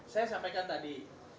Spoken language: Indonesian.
saya sampaikan tadi